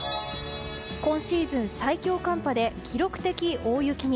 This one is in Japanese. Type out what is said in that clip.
今シーズン最強寒波で記録的大雪に。